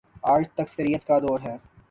آج تکثیریت کا دور ہے۔